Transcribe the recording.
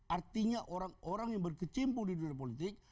artinya orang orang yang berkecimpung di dunia politik